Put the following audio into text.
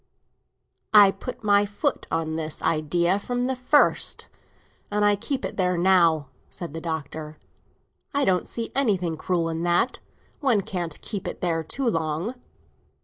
"I put my foot on this idea from the first, and I keep it there now," said the Doctor. "I don't see anything cruel in that; one can't keep it there too long."